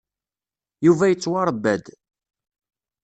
Yuba yettwaṛebba-d.